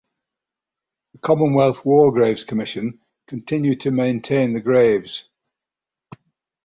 The Commonwealth War Graves Commission continue to maintain the graves.